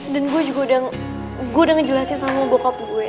dan gue juga udah ngejelasin sama bokap gue